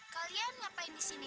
kalian ngapain di sini